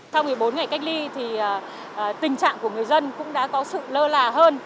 sau một mươi bốn ngày cách ly thì tình trạng của người dân cũng đã có sự lơ là hơn